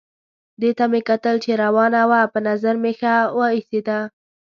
دې ته مې کتل چې روانه وه، په نظر مې ښه وه ایسېده.